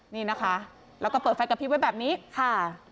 นี่นะคะแล้วก็เปิดไฟกระพริบไว้แบบนี้ค่ะ